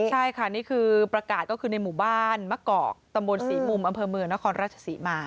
ใช่ค่ะนี่คือประกาศก็คือในหมู่บ้านมะกอกตำบลศรีมุมอำเภอเมืองนครราชศรีมา